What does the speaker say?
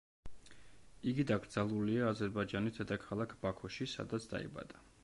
იგი დაკრძალულია აზერბაიჯანის დედაქალაქ ბაქოში, სადაც დაიბადა.